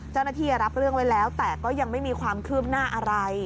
รับเรื่องไว้แล้วแต่ก็ยังไม่มีความคืบหน้าอะไร